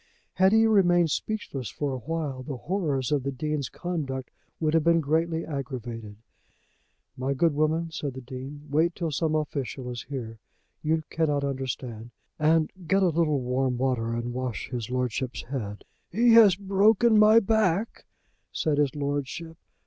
Had he remained speechless for a while the horrors of the Dean's conduct would have been greatly aggravated. "My good woman," said the Dean, "wait till some official is here. You cannot understand. And get a little warm water and wash his lordship's head." "He has broken my back," said his lordship.